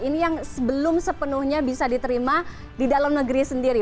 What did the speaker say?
ini yang belum sepenuhnya bisa diterima di dalam negeri sendiri